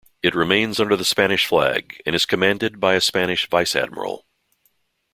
It remains under the Spanish flag and is commanded by a Spanish Vice Admiral.